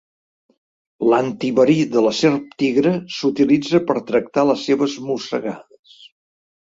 L'antiverí de la serp tigre s'utilitza per tractar les seves mossegades.